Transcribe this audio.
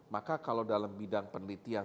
maka kalau dalam bidang penelitian